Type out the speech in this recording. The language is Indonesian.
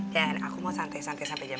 dan aku mau santai santai sampe jam dua